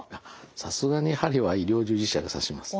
さすがに針は医療従事者で刺します。